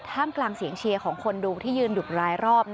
ห้ามกลางเสียงเชียร์ของคนดูยืนดูดร้ายรอบ